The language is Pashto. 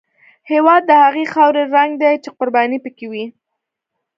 هېواد د هغې خاورې رنګ دی چې قرباني پکې وي.